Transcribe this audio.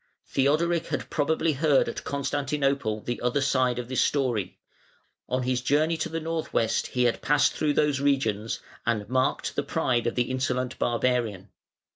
Theodoric had probably heard at Constantinople the other side of this story: on his journey to the north west he had passed through those regions, and marked the pride of the insolent barbarian.